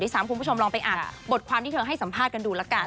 ซ้ำคุณผู้ชมลองไปอ่านบทความที่เธอให้สัมภาษณ์กันดูละกัน